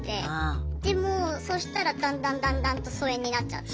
でもうそしたらだんだんだんだんと疎遠になっちゃって。